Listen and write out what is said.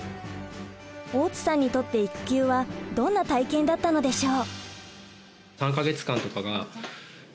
大津さんにとって育休はどんな体験だったのでしょう？